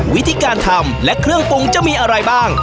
วิธีการทำและเครื่องปรุงจะมีอะไรบ้าง